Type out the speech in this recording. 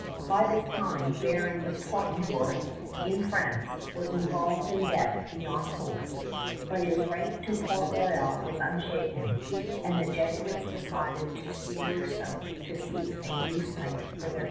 By this time Baron de Poutrincourt, in France, was involved in debt beyond hope; but his right to Port Royal was unshaken, and the Jesuits decided to steer south to seek a new site for their colony.